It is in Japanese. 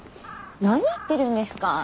何言ってるんですか。